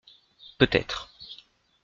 Peut-être.